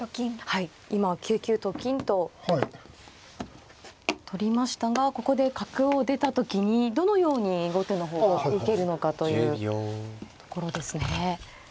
はい今９九と金と取りましたがここで角を出た時にどのように後手の方が受けるのかというところですね。